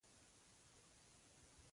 د جنوبي افریقا متل وایي جوړېدل سخت کار دی.